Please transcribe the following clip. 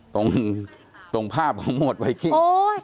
ตรงภาพของโหมดไวคิง